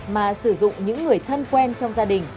mà sử dụng những người thân quen trong gia đình